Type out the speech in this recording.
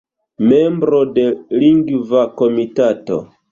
Membro de Lingva Komitato.